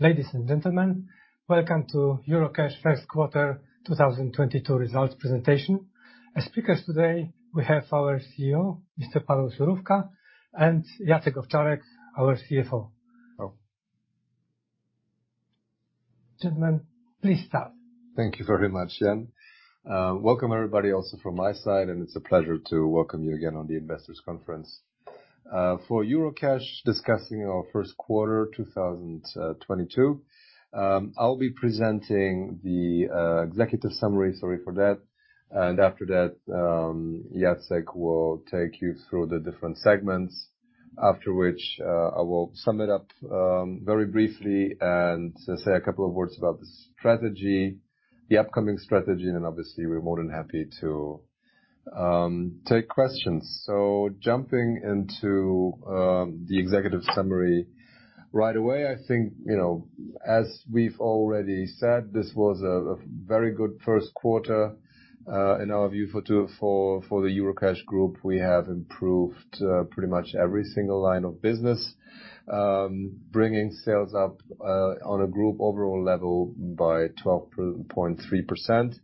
Ladies and gentlemen, welcome to Eurocash first quarter 2022 results presentation. As speakers today, we have our CEO, Mr. Paweł Surówka, and Jacek Owczarek, our CFO. Hello. Gentlemen, please start. Thank you very much, Jan. Welcome everybody, also from my side, and it's a pleasure to welcome you again on the investors' conference for Eurocash, discussing our first quarter 2022. I'll be presenting the executive summary. Sorry for that. After that, Jacek will take you through the different segments, after which I will sum it up very briefly and say a couple of words about the strategy, the upcoming strategy, and obviously, we're more than happy to take questions. Jumping into the executive summary right away, I think, you know, as we've already said, this was a very good first quarter in our view for two. For the Eurocash Group, we have improved pretty much every single line of business, bringing sales up on a group overall level by 12.3%.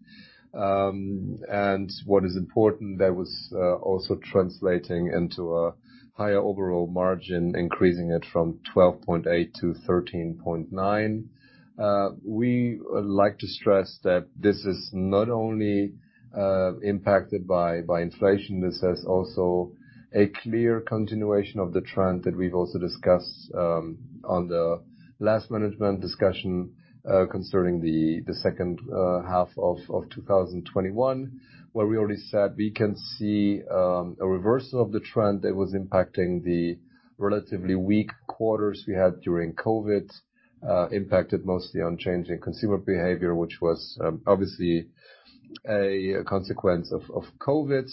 What is important, that was also translating into a higher overall margin, increasing it from 12.8%-13.9%. We like to stress that this is not only impacted by inflation. This is also a clear continuation of the trend that we've also discussed on the last management discussion concerning the second half of 2021, where we already said we can see a reversal of the trend that was impacting the relatively weak quarters we had during COVID, impacted mostly on changing consumer behavior, which was obviously a consequence of COVID.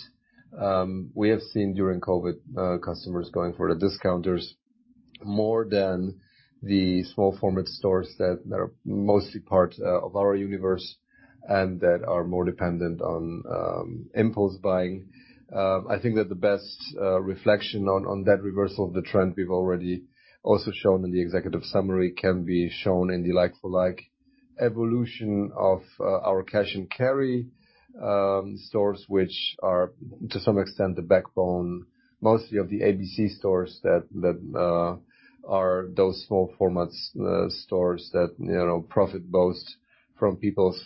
We have seen during COVID, customers going for the discounters more than the small format stores that are mostly part of our universe and that are more dependent on impulse buying. I think that the best reflection on that reversal of the trend we've already also shown in the executive summary can be shown in the like-for-like evolution of our cash and carry stores, which are, to some extent, the backbone mostly of the ABC stores that are those small format stores that, you know, profit both from people's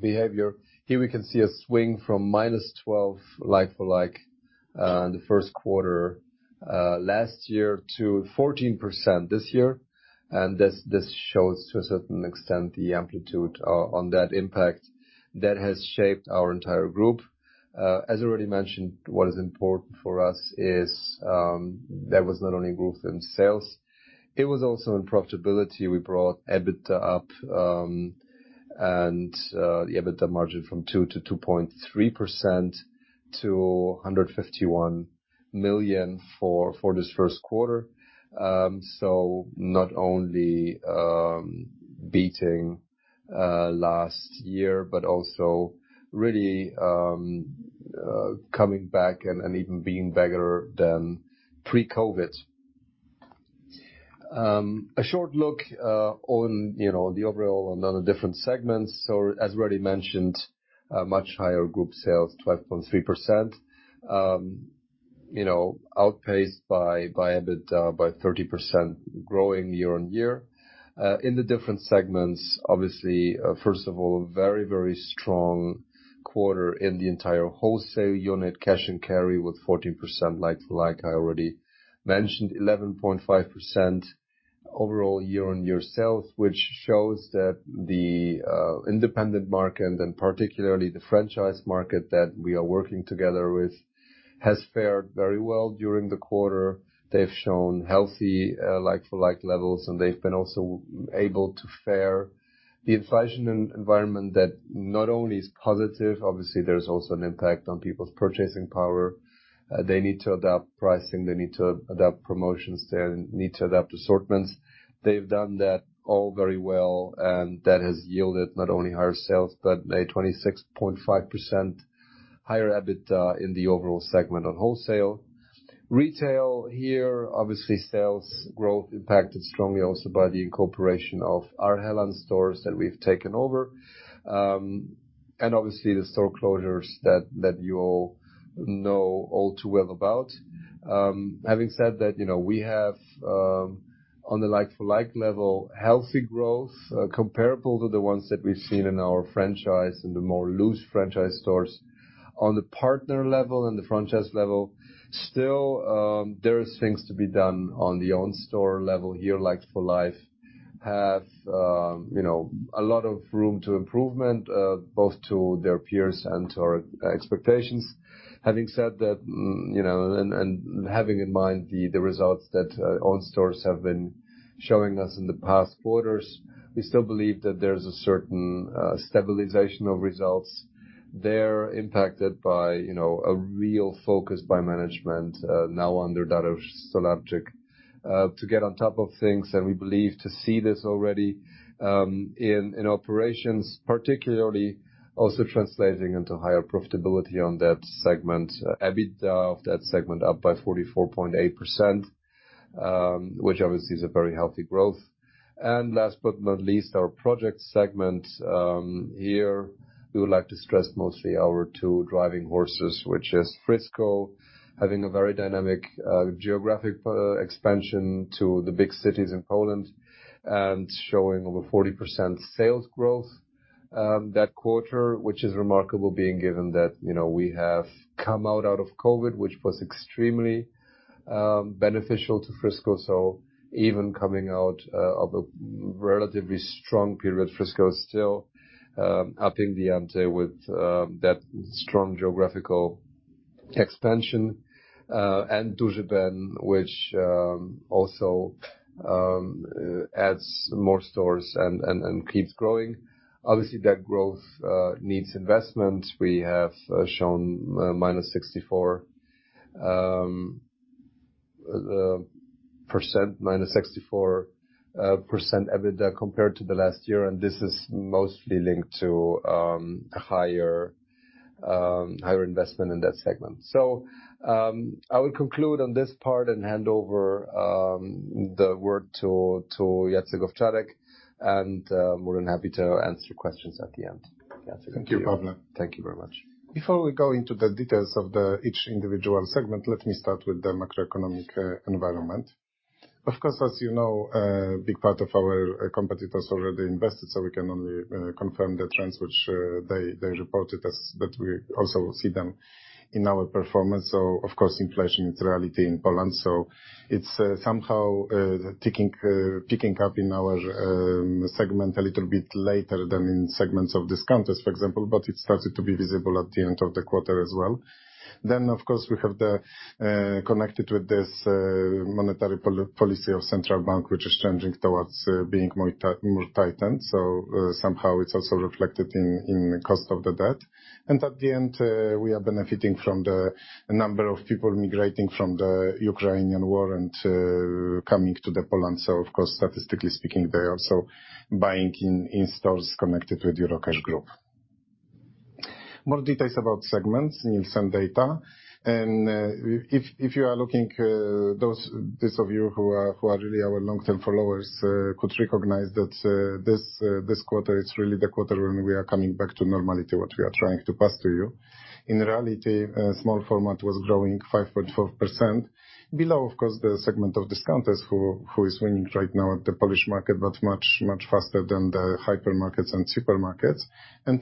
behavior. Here we can see a swing from -12 like-for-like in the first quarter last year to 14% this year. This shows to a certain extent the amplitude on that impact that has shaped our entire group. As already mentioned, what is important for us is there was not only growth in sales, it was also in profitability. We brought EBITDA up, and the EBITDA margin from 2%-2.3% to 151 million for this first quarter. Not only beating last year, but also really coming back and even being bigger than pre-COVID. A short look, you know, on the overall on the different segments. As already mentioned, much higher group sales, 12.3%, you know, outpaced by EBITDA by 30% growing year-on-year. In the different segments, obviously, first of all, very strong quarter in the entire wholesale unit, cash and carry with 14% like-for-like I already mentioned. 11.5% overall year-on-year sales, which shows that the independent market and particularly the franchise market that we are working together with has fared very well during the quarter. They've shown healthy like-for-like levels, and they've been also able to fare the inflationary environment that not only is positive, obviously there's also an impact on people's purchasing power. They need to adapt pricing, they need to adapt promotions, they need to adapt assortments. They've done that all very well, and that has yielded not only higher sales, but a 26.5% higher EBITDA in the overall segment on wholesale. Retail here, obviously sales growth impacted strongly also by the incorporation of Arhelan stores that we've taken over, and obviously the store closures that you all know all too well about. Having said that, you know, we have on the like-for-like level, healthy growth, comparable to the ones that we've seen in our franchise and the more loose franchise stores. On the partner level and the franchise level, still, there is things to be done on the own store level here, like-for-like, you know, a lot of room to improvement, both to their peers and to our expectations. Having said that, you know, and having in mind the results that own stores have been showing us in the past quarters, we still believe that there's a certain stabilization of results. They're impacted by, you know, a real focus by management, now under Dariusz Stolarczyk, to get on top of things. We believe to see this already in operations particularly also translating into higher profitability on that segment. EBITDA of that segment up by 44.8%, which obviously is a very healthy growth. Last but not least, our project segment. Here we would like to stress mostly our two driving forces, which is Frisco having a very dynamic geographic expansion to the big cities in Poland and showing over 40% sales growth that quarter, which is remarkable given that, you know, we have come out of COVID, which was extremely beneficial to Frisco. Even coming out of a relatively strong period, Frisco is still upping the ante with that strong geographical expansion and Duży Ben, which also adds more stores and keeps growing. Obviously, that growth needs investment. We have shown -64% EBITDA compared to the last year, and this is mostly linked to higher investment in that segment. I will conclude on this part and hand over the word to Jacek Owczarek, and more than happy to answer questions at the end. Jacek. Thank you, Paweł. Thank you very much. Before we go into the details of each individual segment, let me start with the macroeconomic environment. Of course, as you know, a big part of our competitors already invested, so we can only confirm the trends which they reported, but we also see them in our performance. Of course, inflation is a reality in Poland, so it's somehow picking up in our segment a little bit later than in segments of discounters, for example, but it started to be visible at the end of the quarter as well. Of course, we have the connected with this monetary policy of central bank, which is changing towards being more tightened. Somehow it's also reflected in the cost of the debt. At the end, we are benefiting from the number of people migrating from the Ukrainian war and coming to Poland. Of course, statistically speaking, they are also buying in stores connected with Eurocash Group. More details about segments and some data. If you are looking, those of you who are really our long-term followers could recognize that this quarter is really the quarter when we are coming back to normality, what we are trying to pass to you. In reality, small format was growing 5.4%. Below, of course, the segment of discounters who is winning right now at the Polish market, but much faster than the hypermarkets and supermarkets.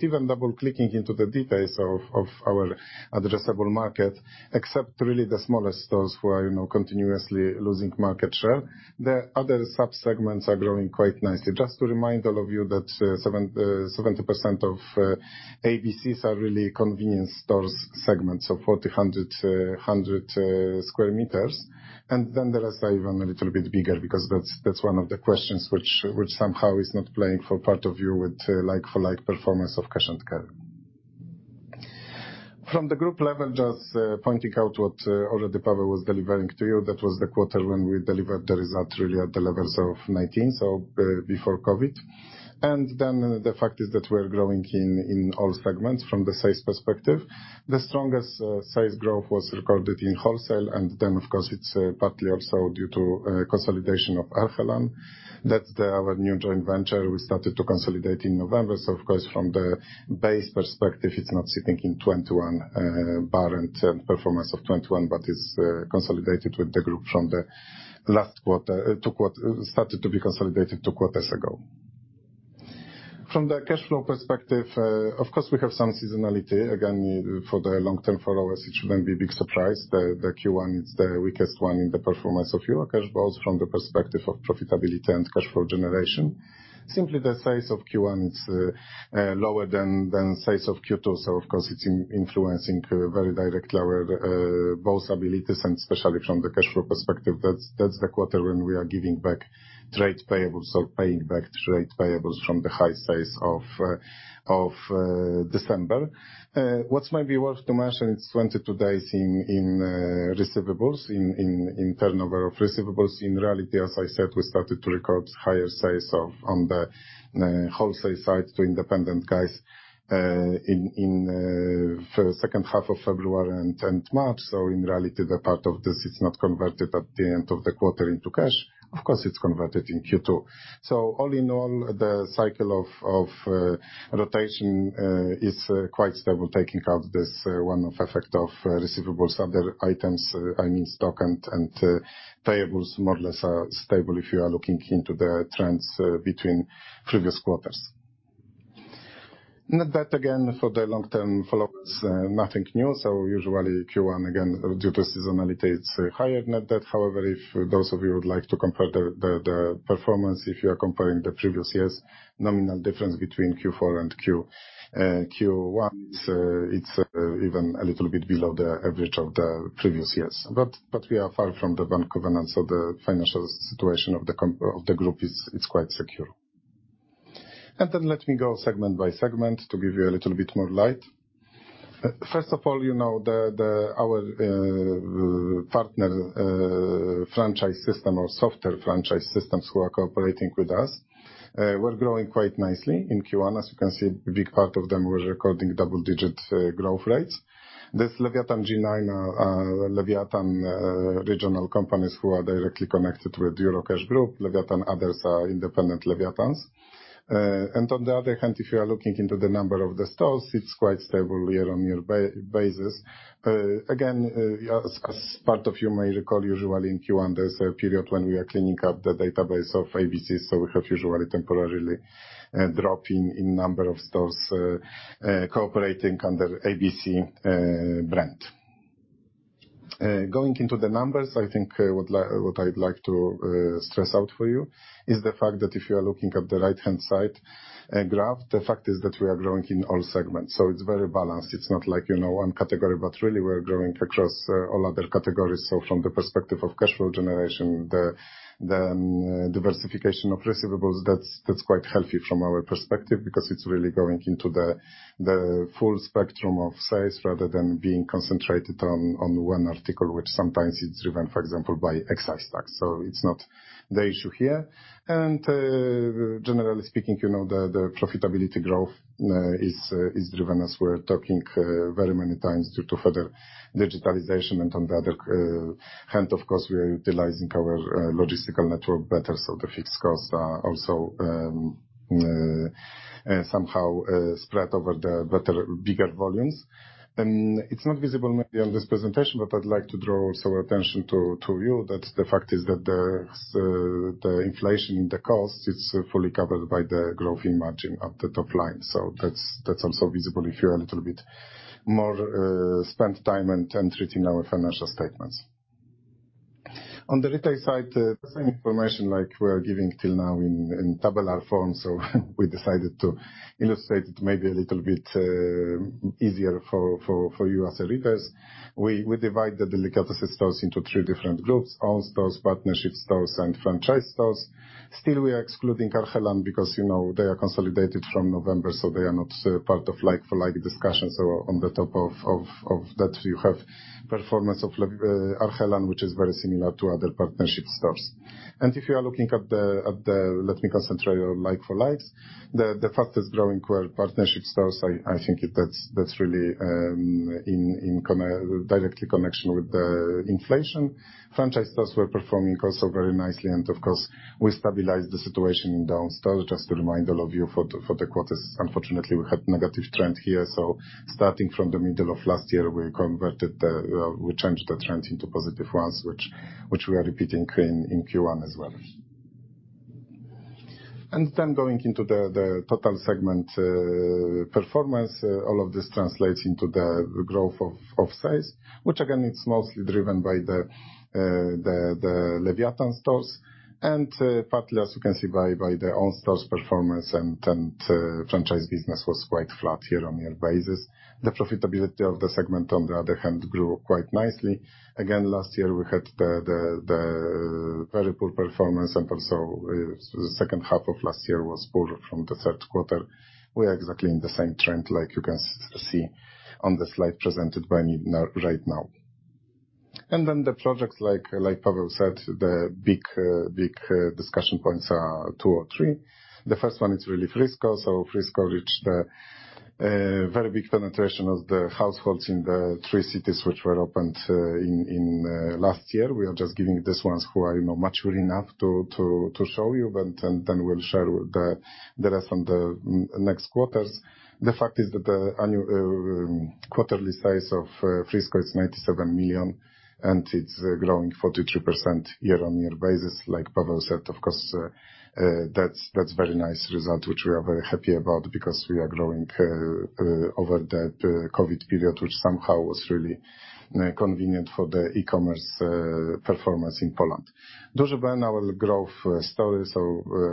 Even double-clicking into the details of our addressable market, except really the smallest stores who are, you know, continuously losing market share, the other sub-segments are growing quite nicely. Just to remind all of you that 70% of ABCs are really convenience store segment, so 4,100 square meters. Then the rest are even a little bit bigger because that's one of the questions which somehow is not playing a part for you with like-for-like performance of cash and carry. From the group level, just pointing out what already Paweł was delivering to you. That was the quarter when we delivered the results really at the levels of 2019, so before COVID. Then the fact is that we are growing in all segments from the size perspective. The strongest size growth was recorded in wholesale and then of course, it's partly also due to consolidation of Arhelan. That's our new joint venture we started to consolidate in November. From the base perspective, it's not sitting in 2021, parent performance of 2021, but it's consolidated with the group from the last quarter, started to be consolidated two quarters ago. From the cash flow perspective, of course, we have some seasonality. Again, for the long-term followers, it shouldn't be a big surprise. The Q1 is the weakest one in the performance of Eurocash, both from the perspective of profitability and cash flow generation. Simply the size of Q1 is lower than size of Q2. Of course, it's influencing very directly our both abilities and especially from the cash flow perspective. That's the quarter when we are giving back trade payables or paying back trade payables from the highs of December. What's maybe worth to mention, it's 22 days in receivables turnover of receivables. In reality, as I said, we started to record higher sales on the wholesale side to independent guys in the second half of February and March. The part of this is not converted at the end of the quarter into cash. Of course, it's converted in Q2. All in all, the cycle of rotation is quite stable, taking out this one-off effect of receivables. Other items, I mean, stock and payables more or less are stable if you are looking into the trends between previous quarters. Net debt again, for the long-term followers, nothing new. Usually Q1, again, due to seasonality, it's higher net debt. However, if those of you would like to compare the performance, if you are comparing the previous years, nominal difference between Q4 and Q1, it's even a little bit below the average of the previous years. We are far from the bank covenants, so the financial situation of the group is quite secure. Let me go segment by segment to give you a little bit more light. First of all, you know, our partner franchise system or software franchise systems who are cooperating with us, we're growing quite nicely in Q1. As you can see, a big part of them were recording double-digit growth rates. This Lewiatan G9 are Lewiatan regional companies who are directly connected with Eurocash Group. Lewiatan others are independent Lewiatans. On the other hand, if you are looking into the number of the stores, it's quite stable year-on-year basis. Part of you may recall, usually in Q1, there's a period when we are cleaning up the database of ABC, so we have usually temporarily dropping in number of stores cooperating under ABC brand. Going into the numbers, I think, what I'd like to stress out for you is the fact that if you are looking at the right-hand side graph, the fact is that we are growing in all segments. It's very balanced. It's not like, you know, one category, but really we're growing across all other categories. From the perspective of cash flow generation, the diversification of receivables, that's quite healthy from our perspective because it's really going into the full spectrum of sales rather than being concentrated on one article, which sometimes it's driven, for example, by excise tax. It's not the issue here. Generally speaking, you know, the profitability growth is driven, as we're talking very many times due to further digitalization. On the other hand, of course, we're utilizing our logistical network better, so the fixed costs are also somehow spread over the better bigger volumes. It's not visible maybe on this presentation, but I'd like to draw also attention to you that the fact is that the inflation in the cost is fully covered by the growth in margin of the top line. That's also visible if you're a little bit more spend time in interpreting our financial statements. On the retail side, same information like we are giving till now in tabular form, so we decided to illustrate it maybe a little bit easier for you as leaders. We divide the delicatessen stores into three different groups, own stores, partnership stores, and franchise stores. Still, we are excluding Arhelan because, you know, they are consolidated from November, so they are not part of like-for-like discussions. On the top of that, you have performance of Arhelan, which is very similar to other partnership stores. If you are looking at the like-for-like, let me concentrate on like-for-like. The fact is growing core partnership stores, I think that's really in direct connection with the inflation. Franchise stores were performing also very nicely, and of course, we stabilized the situation in own stores. Just a reminder to you for the quarters. Unfortunately, we had negative trend here, so starting from the middle of last year, we changed the trend into positive ones, which we are repeating in Q1 as well. Going into the total segment performance, all of this translates into the growth of sales, which again is mostly driven by the Lewiatan stores, and partly, as you can see by the own stores' performance and franchise business was quite flat here on year basis. The profitability of the segment, on the other hand, grew quite nicely. Again, last year we had the very poor performance, and also the second half of last year was poorer from the third quarter. We are exactly in the same trend like you can see on the slide presented by me right now. The projects like Paweł said, the big discussion points are two or three. The first one is really Frisco. Frisco reached a very big penetration of the households in the three cities which were opened in last year. We are just giving you these ones who are mature enough to show you, but then we'll share the rest in the next quarters. The fact is that the annualized quarterly size of Frisco is 97 million, and it's growing 43% year-on-year basis. Like Paweł said, of course, that's very nice result, which we are very happy about because we are growing over the Covid period, which somehow was really convenient for the e-commerce performance in Poland. Duży Ben, our growth stores, so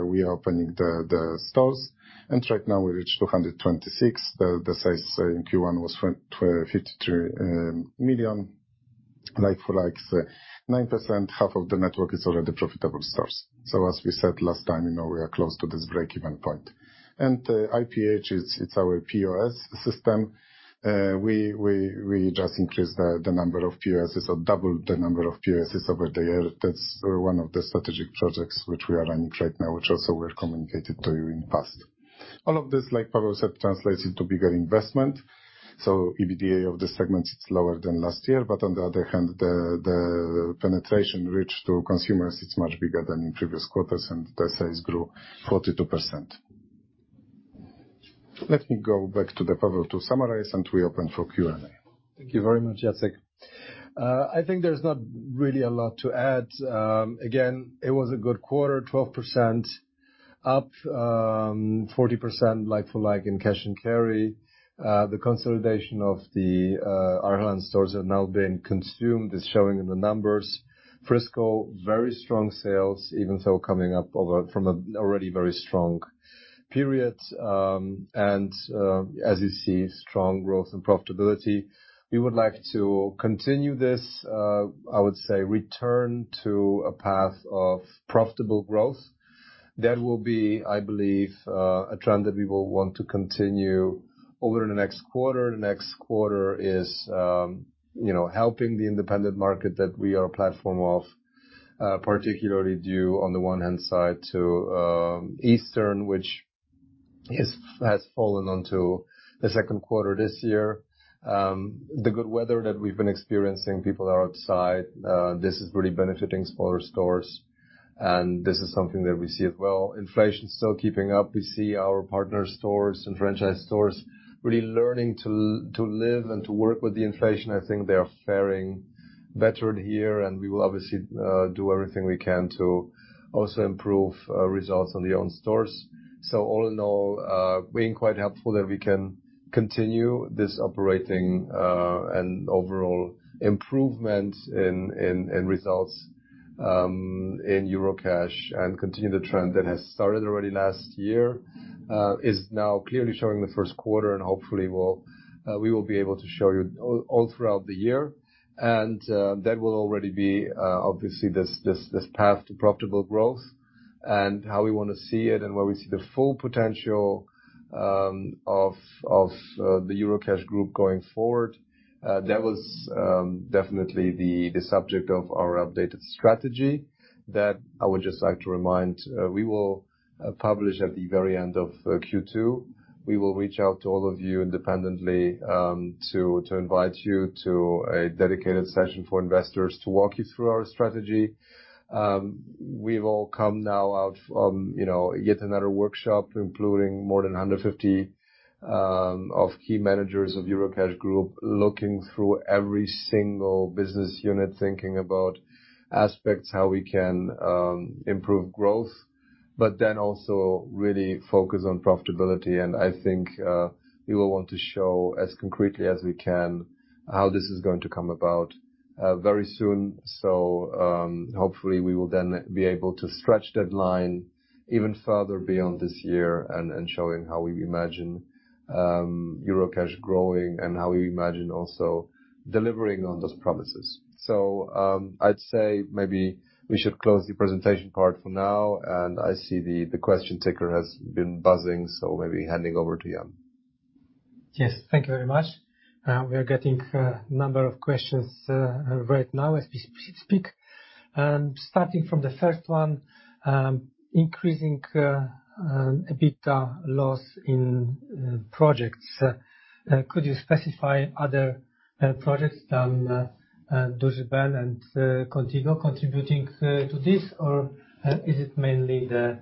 we are opening the stores, and right now we reach 226. The size in Q1 was 53 million like-for-likes 9%. Half of the network is already profitable stores. As we said last time, you know, we are close to this break-even point. IPH is our POS system. We just increased the number of POSs or doubled the number of POSs over the year. That's one of the strategic projects which we are running right now, which also we have communicated to you in the past. All of this, like Paweł said, translates into bigger investment. EBITDA of this segment is lower than last year, but on the other hand, the penetration reach to consumers is much bigger than in previous quarters, and the sales grew 42%. Let me go back to Paweł to summarize, and we open for Q&A. Thank you very much, Jacek. I think there's not really a lot to add. Again, it was a good quarter, 12% up, 40% like-for-like in cash and carry. The consolidation of the Arhelan stores have now been consumed, is showing in the numbers. Frisco, very strong sales, even though coming up from an already very strong period, and as you see, strong growth and profitability. We would like to continue this, I would say, return to a path of profitable growth. That will be, I believe, a trend that we will want to continue over the next quarter. The next quarter is, you know, helping the independent market that we are a platform of, particularly due on the one hand side to Easter, which has fallen onto the second quarter this year. The good weather that we've been experiencing, people are outside, this is really benefiting smaller stores, and this is something that we see as well. Inflation is still kicking up. We see our partner stores and franchise stores really learning to live and to work with the inflation. I think they are faring better here, and we will obviously do everything we can to also improve results on the own stores. All in all, being quite helpful that we can continue this operating and overall improvement in results in Eurocash and continue the trend that has started already last year is now clearly showing the first quarter and hopefully we will be able to show you all throughout the year. That will already be obviously this path to profitable growth and how we wanna see it and where we see the full potential of the Eurocash Group going forward. That was definitely the subject of our updated strategy that I would just like to remind we will publish at the very end of Q2. We will reach out to all of you independently to invite you to a dedicated session for investors to walk you through our strategy. We've all come now out from, you know, yet another workshop, including more than 150 of key managers of Eurocash Group, looking through every single business unit, thinking about aspects, how we can improve growth, but then also really focus on profitability. I think we will want to show as concretely as we can, how this is going to come about very soon. Hopefully we will then be able to stretch that line even further beyond this year and showing how we imagine Eurocash growing and how we imagine also delivering on those promises. I'd say maybe we should close the presentation part for now, and I see the question ticker has been buzzing, so maybe handing over to Jan. Yes. Thank you very much. We are getting a number of questions right now as we speak. Starting from the first one, increasing EBITDA loss in projects. Could you specify other projects than Duży Ben and Kontigo contributing to this, or is it mainly the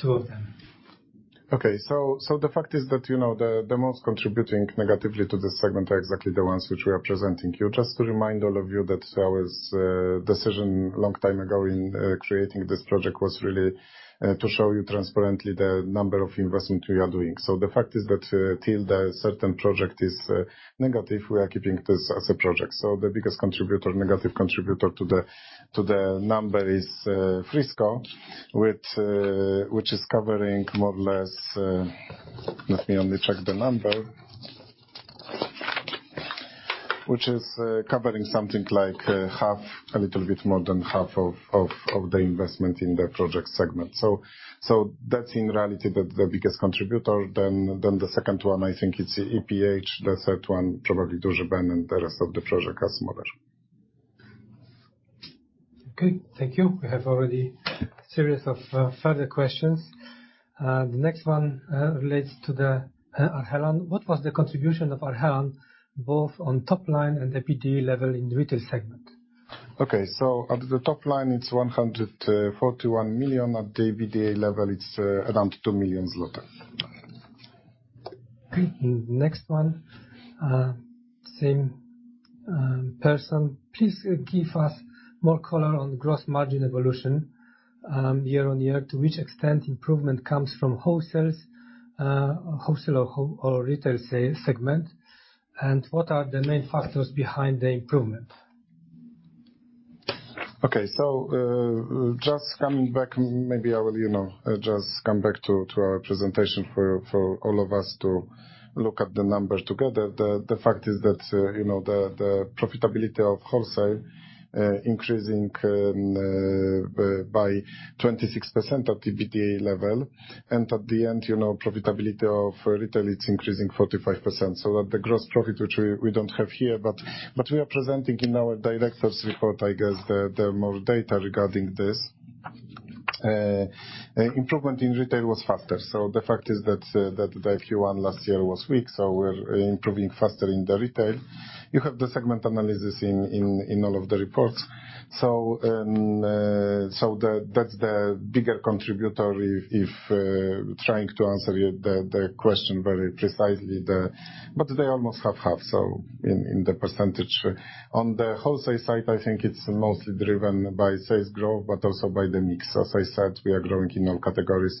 two of them? Okay. The fact is that, you know, the most contributing negatively to this segment are exactly the ones which we are presenting here. Just to remind all of you that our decision a long time ago in creating this project was really to show you transparently the number of investment we are doing. The fact is that till the certain project is negative, we are keeping this as a project. The biggest contributor, negative contributor to the number is Frisco, with which is covering more or less, let me only check the number. Which is covering something like half, a little bit more than half of the investment in the project segment. That's in reality the biggest contributor, then the second one, I think it's IPH. The third one, probably Duży Ben, and the rest of the project has more or less. Okay, thank you. We have already a series of further questions. The next one relates to the Arhelan. What was the contribution of Arhelan both on top line and EBITDA level in the retail segment? Okay. At the top line, it's 141 million. At the EBITDA level, it's around 2 million. Okay. Next one, same person. Please give us more color on gross margin evolution, year on year. To which extent improvement comes from wholesale or retail segment? What are the main factors behind the improvement? Okay, just coming back to our presentation for all of us to look at the numbers together. The fact is that the profitability of wholesale increasing by 26% at EBITDA level. At the end, profitability of retail, it's increasing 45%. At the gross profit, which we don't have here, but we are presenting in our directors' report, I guess, the more data regarding this. Improvement in retail was faster. The fact is that the Q1 last year was weak, so we're improving faster in the retail. You have the segment analysis in all of the reports. That's the bigger contributor if trying to answer to the question very precisely. They're almost half, so in the percentage. On the wholesale side, I think it's mostly driven by sales growth, but also by the mix. As I said, we are growing in all categories.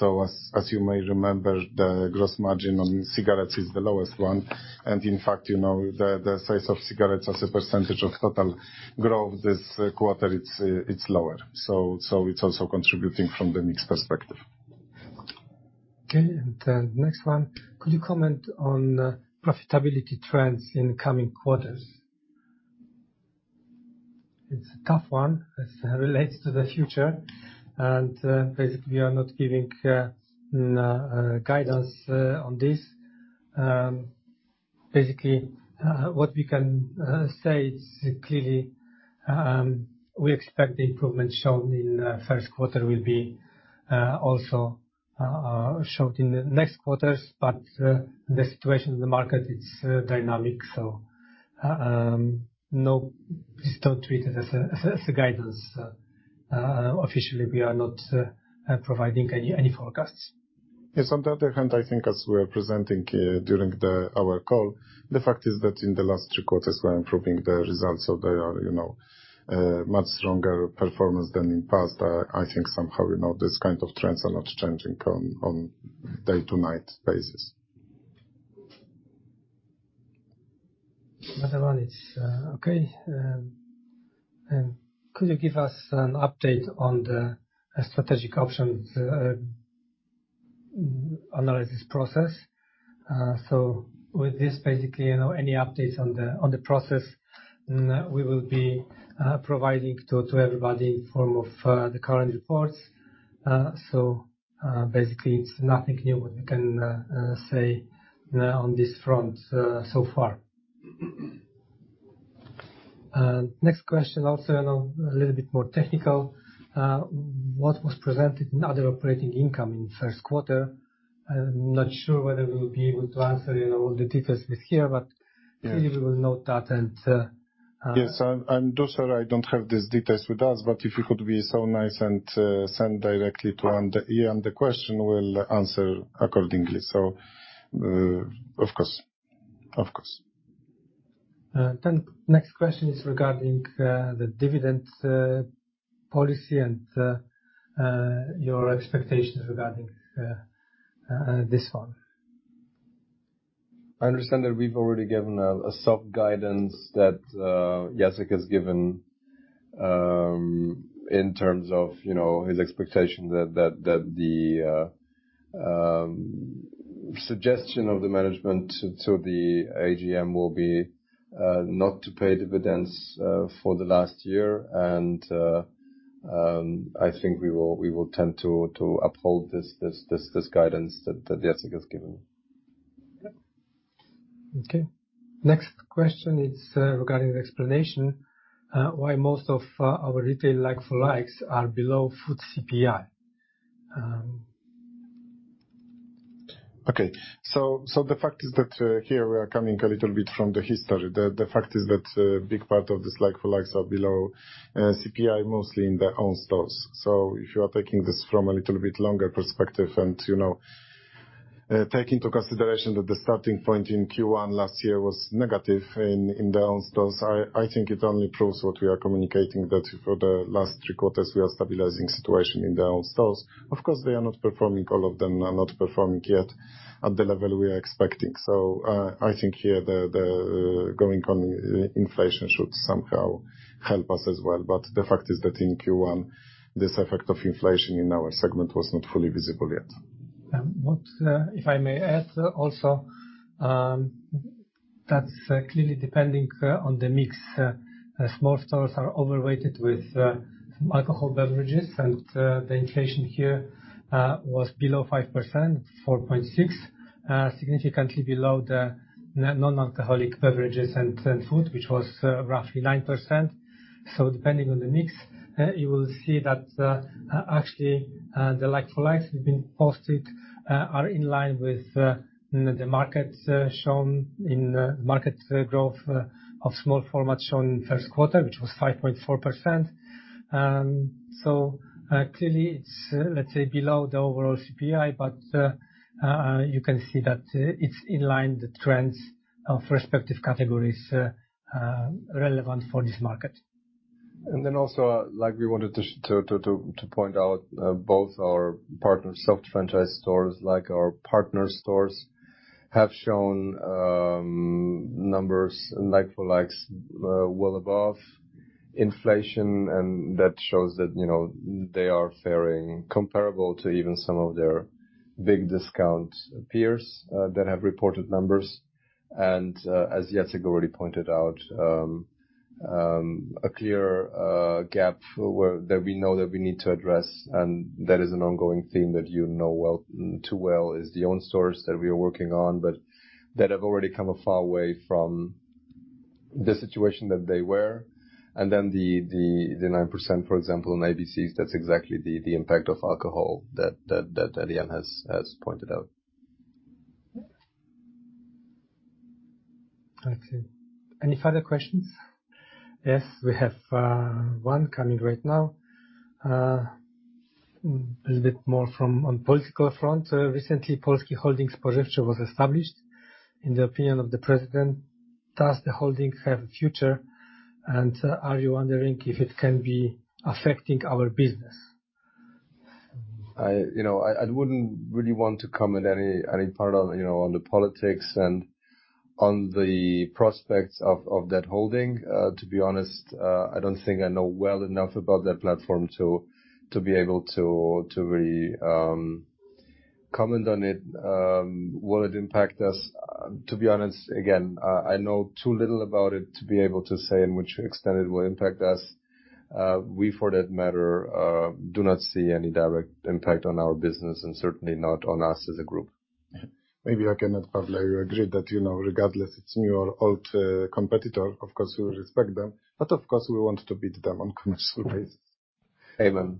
As you may remember, the gross margin on cigarettes is the lowest one. In fact, the sales of cigarettes as a percentage of total growth this quarter, it's lower. It's also contributing from the mix perspective. Okay. Next one. Could you comment on profitability trends in coming quarters? It's a tough one as it relates to the future, and basically, we are not giving guidance on this. Basically, what we can say is clearly, we expect the improvement shown in first quarter will be also shown in the next quarters, but the situation in the market is dynamic. No, please don't treat it as a guidance. Officially, we are not providing any forecasts. Yes. On the other hand, I think as we are presenting during our call, the fact is that in the last three quarters we're improving the results, so they are, you know, much stronger performance than in past. I think somehow, you know, these kind of trends are not changing on day-to-day basis. Another one is. Could you give us an update on the strategic options analysis process? With this, basically, you know, any updates on the process, we will be providing to everybody in form of the current reports. Basically it's nothing new we can say on this front so far. Next question also, you know, a little bit more technical. What was presented in other operating income in first quarter? I'm not sure whether we will be able to answer, you know, all the details with here, but clearly we will note that and. Yes. Also, I don't have these details with us, but if you could be so nice and send directly to Jan the question, we'll answer accordingly. Of course. Next question is regarding the dividend policy and your expectations regarding this one. I understand that we've already given a soft guidance that Jacek has given in terms of you know his expectation that the suggestion of the management to the AGM will be not to pay dividends for the last year. I think we will tend to uphold this guidance that Jacek has given. Okay. Next question is, regarding explanation, why most of our retail like-for-likes are below food CPI. The fact is that, here we are coming a little bit from the history. The fact is that a big part of this like-for-like are below CPI, mostly in their own stores. If you are taking this from a little bit longer perspective and take into consideration that the starting point in Q1 last year was negative in their own stores, I think it only proves what we are communicating, that for the last three quarters we are stabilizing situation in their own stores. Of course, they are not performing, all of them are not performing yet at the level we are expecting. I think here the ongoing inflation should somehow help us as well. The fact is that in Q1, this effect of inflation in our segment was not fully visible yet. If I may add also, that's clearly depending on the mix. Small stores are overweighted with alcohol beverages and the inflation here was below 5%, 4.6%. Significantly below the non-alcoholic beverages and food, which was roughly 9%. Depending on the mix, you will see that actually the like-for-likes are in line with the market shown in the market growth of small format in the first quarter, which was 5.4%. Clearly it's, let's say, below the overall CPI, but you can see that it's in line with the trends of respective categories relevant for this market. We wanted to point out both our partners, self-franchised stores like our partner stores, have shown numbers like-for-likes well above inflation. That shows that, you know, they are faring comparable to even some of their big discount peers that have reported numbers. As Jacek already pointed out, a clear gap that we know that we need to address. That is an ongoing theme that you know well, too well, is the own stores that we are working on, but that have already come a far way from the situation that they were. The 9%, for example, in ABC, that's exactly the impact of alcohol that Jan has pointed out. Okay. Any further questions? Yes, we have one coming right now. A little bit more from the political front. Recently, Polski Holding Spożywczy was established in the opinion of the president. Does the holding have a future and are you wondering if it can be affecting our business? You know, I wouldn't really want to comment any part on the politics and on the prospects of that holding. To be honest, I don't think I know well enough about that platform to be able to really comment on it. Will it impact us? To be honest, again, I know too little about it to be able to say in which extent it will impact us. For that matter, we do not see any direct impact on our business and certainly not on us as a group. Maybe I can add, Paweł. I agree that, you know, regardless it's new or old, competitor, of course, we respect them, but of course, we want to beat them on commercial basis. Amen.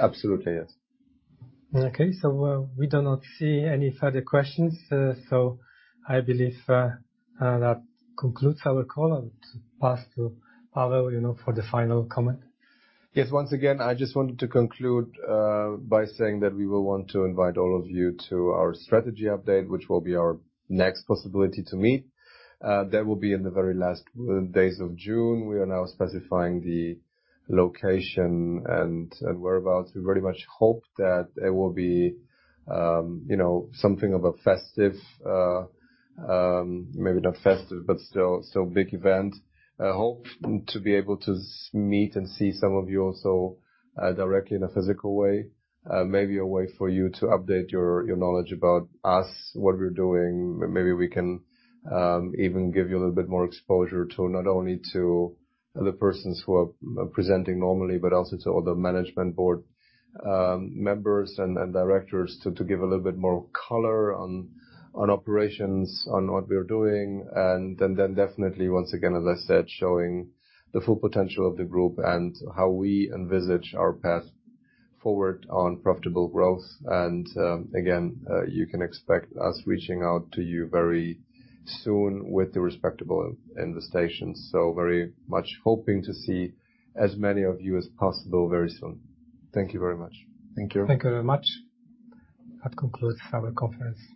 Absolutely, yes. We do not see any further questions. I believe that concludes our call. To pass to Paweł, you know, for the final comment. Yes. Once again, I just wanted to conclude by saying that we will want to invite all of you to our strategy update, which will be our next possibility to meet. That will be in the very last days of June. We are now specifying the location and whereabouts. We very much hope that it will be, you know, something of a festive, maybe not festive, but still big event. I hope to be able to meet and see some of you also, directly in a physical way. Maybe a way for you to update your knowledge about us, what we're doing. Maybe we can even give you a little bit more exposure to not only the persons who are presenting normally, but also to all the management board members and directors, to give a little bit more color on operations, on what we are doing. Then definitely, once again, as I said, showing the full potential of the group and how we envisage our path forward on profitable growth. Again, you can expect us reaching out to you very soon with the respective invitations. Very much hoping to see as many of you as possible very soon. Thank you very much. Thank you. Thank you very much. That concludes our conference.